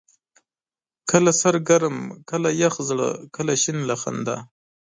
کله سر ګرم ، کله يخ زړه، کله شين له خندا